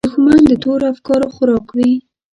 دښمن د تورو افکارو خوراک وي